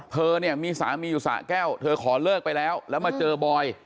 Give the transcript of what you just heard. เธอเนี่ยมีสามีอยู่สะแก้วเธอขอเลิกไปแล้วแล้วมาเจอบอย